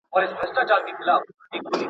o خدايه ما ښه مه کې، ما په ښو خلگو واده کې!